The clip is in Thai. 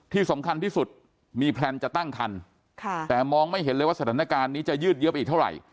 ที่สำคัญที่สุดมีแพลนจะตั้งคันแต่มองไม่เห็นเลยว่าสถานการณ์นี้จะยืดเยอะไปอีกเท่าไหร่